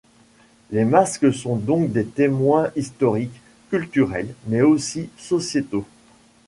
Les masques sont donc des témoins historiques, culturels, mais aussi sociétaux.